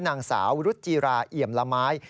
นางสาวรุจิราเอี่ยมละไม้